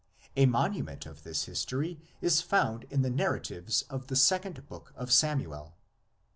A monument of this history is found in the narratives of the Second Book of Samuel.